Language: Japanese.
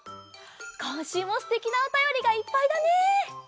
こんしゅうもすてきなおたよりがいっぱいだね！